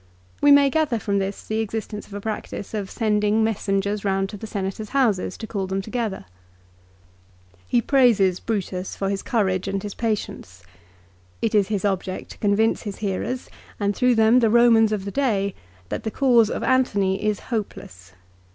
We may gather from this the existence of a practice of sending messengers round to the Senators' houses to call them together. He praises Brutus s 2 260 LIFE OF CICERO. for his courage and his patience. It is his object to convince his hearers, and through them the Romans of the day, that the cause of Antony is hopeless.